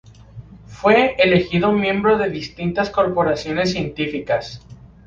Fue elegido miembro de distintas corporaciones científicas.